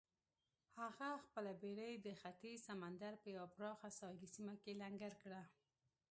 هغه خپله بېړۍ د ختیځ سمندر په یوه پراخه ساحلي سیمه کې لنګر کړه.